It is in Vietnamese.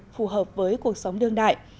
phù hợp với cuộc sống đương đại